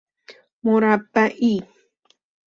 مربعی